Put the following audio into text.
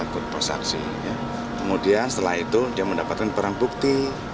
kemudian setelah itu dia mendapatkan barang bukti